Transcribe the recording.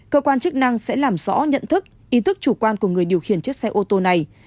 cơ quan chức năng sẽ làm rõ nhận thức ý thức chủ quan của người điều khiển chiếc xe ô tô này